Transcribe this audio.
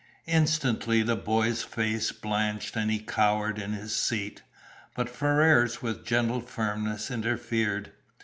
Instantly the boy's face blanched and he cowered in his seat, but Ferrars with gentle firmness interfered.